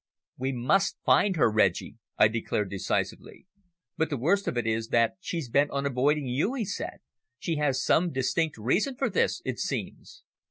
"We must find her, Reggie," I declared decisively. "But the worst of it is that she's bent on avoiding you," he said. "She has some distinct reason for this, it seems."